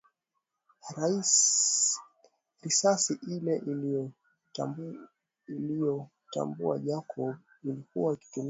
Risasi ile aliyoitambua Jacob ilikuwa ikitumiwa na wadunguaji